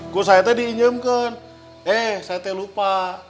kusaya itu diinjemkan eh saya itu lupa